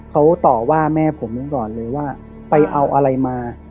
เขาต่อว่าแม่ผมก่อนเลยว่าไปเอาอะไรมา